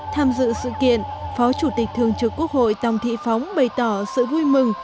tham dự sự kiện phó chủ tịch thường trực quốc hội tòng thị phóng bày tỏ sự vui mừng